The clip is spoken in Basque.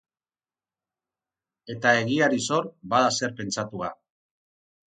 Eta egiari zor, bada zer pentsatua.